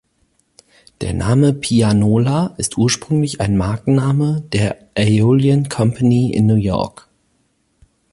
Der Name Pianola ist ursprünglich ein Markenname der Aeolian Company in New York.